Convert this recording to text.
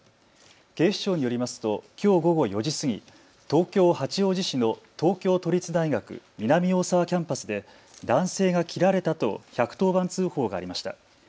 警視庁によりますときょう午後４時過ぎ、東京八王子市の東京都立大学南大沢キャンパスで男性が切られたと１１０番通報がありました。